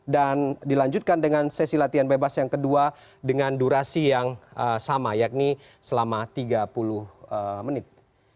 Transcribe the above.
dan dilanjutkan dengan sesi latihan bebas yang kedua dengan durasi yang sama yakni selama tiga puluh menit